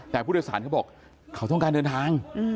แต่ผู้โดยสารเขาบอกเขาต้องการเดินทาง